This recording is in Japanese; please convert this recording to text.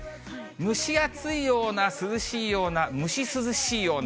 蒸し暑いような涼しいような、蒸し涼しいような。